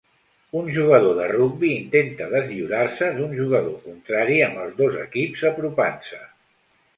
Un jugador de rugbi intenta deslliurar-se d'un jugador contrari amb els dos equips apropant-se.